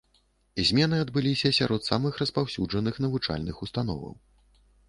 Змены адбыліся сярод самых распаўсюджаных навучальных установаў.